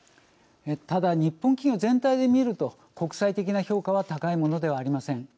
ただ日本企業全体で見ると国際的な評価は高いものではありません。